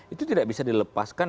itu tidak bisa dilepaskan